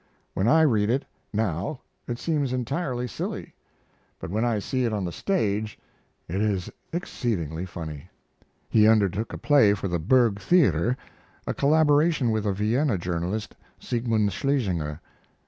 When I read it, now, it seems entirely silly; but when I see it on the stage it is exceedingly funny. He undertook a play for the Burg Theater, a collaboration with a Vienna journalist, Siegmund Schlesinger.